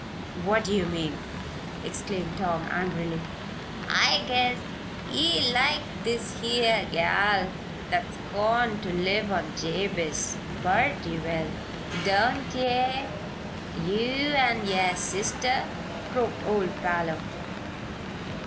"What do you mean?" exclaimed Tom, angrily. "I guess ye like this here gal that's cone to live on Jabez, purty well; don't ye yeou an' yer sister?" croaked old Parloe.